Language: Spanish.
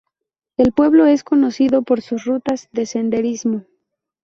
El pueblo es conocido por sus rutas de senderismo.